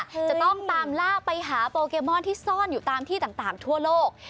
จะต้องตามล่าไปหาโปเกมอนที่ซ่อนอยู่ตามที่ต่างทั่วโลก